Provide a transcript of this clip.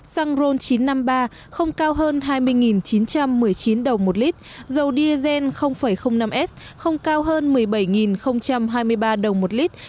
xăng ron chín mươi năm không cao hơn hai mươi chín trăm một mươi chín đồng một lit dầu diesel năm s không cao hơn một mươi bảy hai mươi ba đồng một lit